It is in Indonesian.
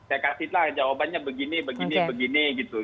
saya kasih lah jawabannya begini begini begini gitu